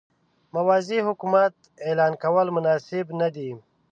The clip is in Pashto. موازي حکومت اعلان کول مناسب نه دي.